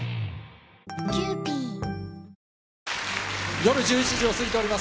夜１１時を過ぎております。